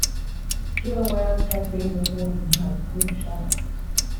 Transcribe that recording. Killer whales have been reported to hunt blue sharks.